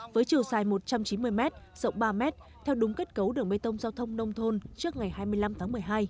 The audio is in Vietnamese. với chiều dài một trăm chín mươi m rộng ba m theo đúng kết cấu đường bê tông giao thông nông thôn trước ngày hai mươi năm tháng một mươi hai